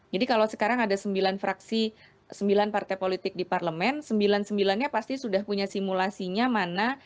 jadi kalau sekarang ada sembilan fraksi sembilan partai politik di parlemen sembilan sembilannya pasti sudah punya simulasinya mana